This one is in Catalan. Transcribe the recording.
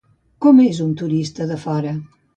Com és un turista de fora?